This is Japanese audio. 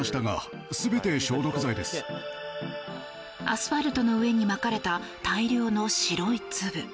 アスファルトの上にまかれた大量の白い粒。